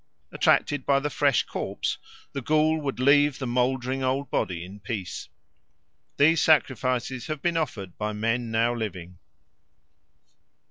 Attracted by the fresh corpse, the ghoul would leave the mouldering old body in peace. These sacrifices have been offered by men now living.